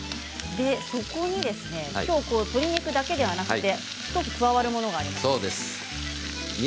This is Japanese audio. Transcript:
そこに鶏肉だけではなくて加わるものがあります。